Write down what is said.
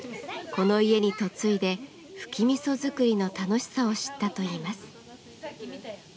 この家に嫁いでフキみそ作りの楽しさを知ったといいます。